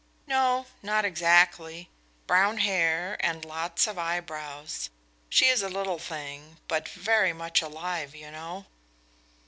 "No; not exactly. Brown hair, and lots of eyebrows. She is a little thing, but very much alive, you know."